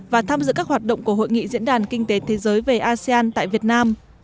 và tham dự các hoạt động của hội nghị diễn đàn kinh tế thế giới về asean tại việt nam